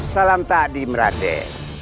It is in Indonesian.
salam ta'adhim raden